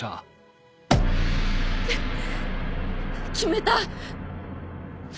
決めた！